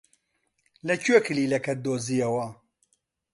لەکوێ کلیلەکەت دۆزییەوە؟